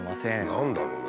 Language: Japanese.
何だろうね。